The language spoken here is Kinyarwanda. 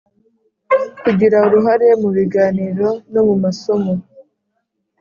Kugira uruhare mu biganiro no mu masomo